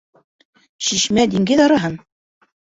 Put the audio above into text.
Шишмә, диңгеҙ араһын?